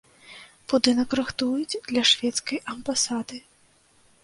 Будынак рыхтуюць для шведскай амбасады.